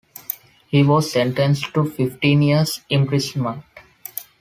He was sentenced to fifteen years imprisonment.